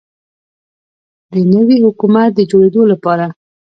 د نوي حکومت د جوړیدو لپاره